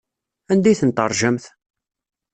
Anda ay ten-teṛjamt?